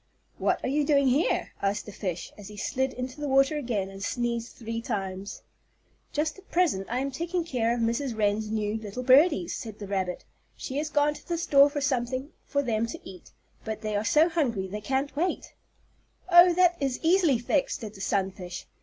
"What are you doing here?" asked the fish, as he slid into the water again and sneezed three times. "Just at present I am taking care of Mrs. Wren's new little birdies," said the rabbit. "She has gone to the store for something for them to eat, but they are so hungry they can't wait." "Oh, that is easily fixed," said the sunfish.